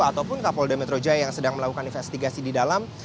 ataupun kapol demetro jaya yang sedang melakukan investigasi di dalam